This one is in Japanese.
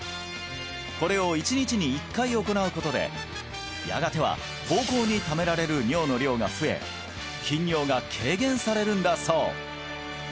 これを１日に１回行うことでやがては膀胱にためられる尿の量が増え頻尿が軽減されるんだそう